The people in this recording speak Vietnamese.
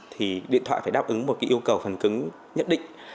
thì điện thoại phải đáp ứng một yêu cầu phần cứng nhất định